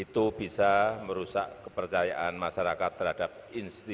tukar senjata rakyat